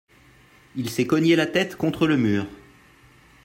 Il s'est cogné la tête contre le mur.